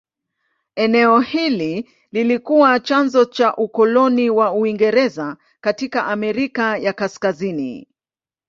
Eneo hili lilikuwa chanzo cha ukoloni wa Uingereza katika Amerika ya Kaskazini.